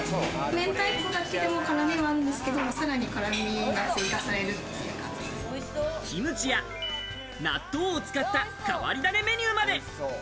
めんたいこだけでも辛みはあるんですけど、さらに辛みが追加されキムチや納豆を使った変わり種メニューまで。